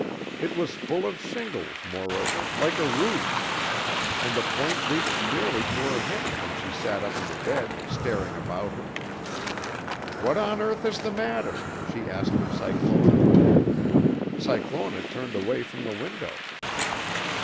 It was full of shingles, moreover, like a roof, and the point reached nearly to her head when she sat up in the bed, staring about her. "'What on earth is the matter?' she asked of Cyclona. "Cyclona turned away from the window.